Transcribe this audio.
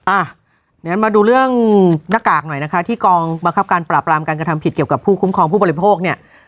อ่ะเดี๋ยวนั้นมาดูเรื่องหน้ากากหน่อยนะคะที่กองบังคับการปราบรามการกระทำผิดเกี่ยวกับผู้คุ้มครองผู้บริโภคเนี่ย